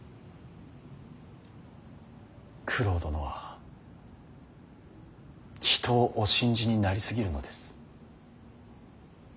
九郎殿は人をお信じになり過ぎるのです。